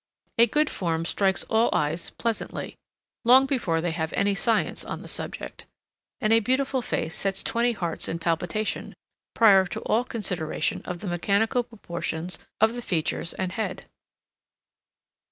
A good form strikes all eyes pleasantly, long before they have any science on the subject, and a beautiful face sets twenty hearts in palpitation, prior to all consideration of the mechanical proportions of the features and head.